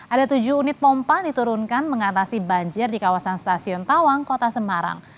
ada tujuh unit pompa diturunkan mengatasi banjir di kawasan stasiun tawang kota semarang